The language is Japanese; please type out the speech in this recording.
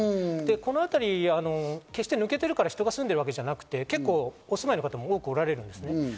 このあたり、決して抜けているから人が住んでいないわけじゃなくて、結構お住まいの方がおられる。